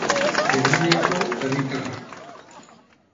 Germaniako herritarra.